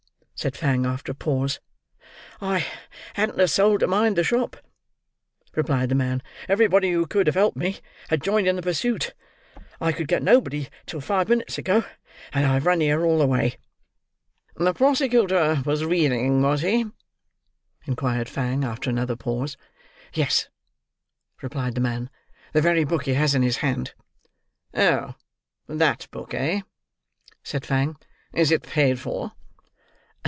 said Fang, after a pause. "I hadn't a soul to mind the shop," replied the man. "Everybody who could have helped me, had joined in the pursuit. I could get nobody till five minutes ago; and I've run here all the way." "The prosecutor was reading, was he?" inquired Fang, after another pause. "Yes," replied the man. "The very book he has in his hand." "Oh, that book, eh?" said Fang. "Is it paid for?"